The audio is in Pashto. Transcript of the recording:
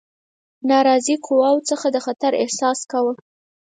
ناراضي قواوو څخه د خطر احساس کاوه.